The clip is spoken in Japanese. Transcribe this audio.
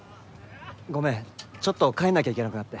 ごめんちょっと帰んなきゃいけなくなって。